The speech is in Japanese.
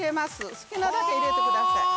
好きなだけ入れてください